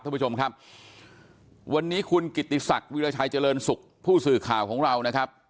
ท่านผู้ชมครับวันนี้คุณกิติศักดิ์วิราชัยเจริญสุขผู้สื่อข่าวของเรานะครับ